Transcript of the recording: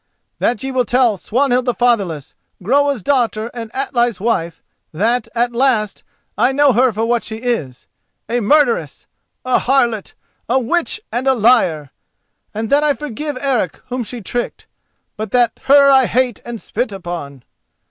That ye will tell Swanhild the Fatherless, Groa's daughter and Atli's wife, that, at last, I know her for what she is—a murderess, a harlot, a witch and a liar; and that I forgive Eric whom she tricked, but that her I hate and spit upon.